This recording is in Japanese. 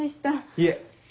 いえ！